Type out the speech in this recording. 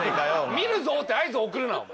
「見るぞ」って合図送るなお前。